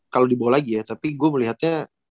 kalau di bawah lagi ya tapi gue melihatnya